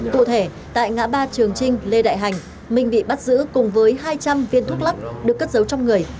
cụ thể tại ngã ba trường trinh lê đại hành minh bị bắt giữ cùng với hai trăm linh viên thuốc lắc được cất giấu trong người